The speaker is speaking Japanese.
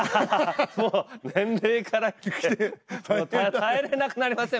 もう年齢からして耐えれなくなりません？